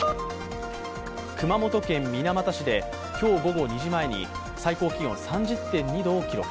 熊本県水俣市で今日午後２時前に最高気温３０．２度を記録。